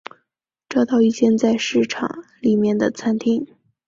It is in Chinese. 找到一间在市场里面的餐厅